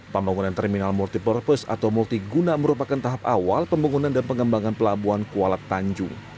pembangunan terminal multi purpose atau multiguna merupakan tahap awal pembangunan dan pengembangan pelabuhan kuala tanjung